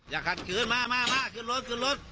อย่าขัดขืนมาขึ้นรถ